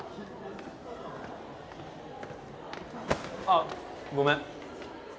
あっごめん。